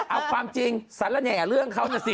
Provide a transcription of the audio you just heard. เอาความจริงสารแหน่เรื่องเขานะสิ